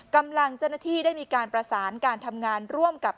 กำลังเจ้าหน้าที่ได้มีการประสานการทำงานร่วมกับ